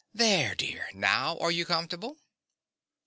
_) There, dear! Now are you comfortable?